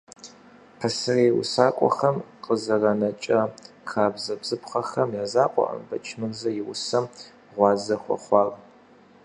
Пасэрей усакӀуэхэм къызэранэкӀа хабзэ-бзыпхъэхэм я закъуэкъым Бэчмырзэ и усэм гъуазэ хуэхъуар.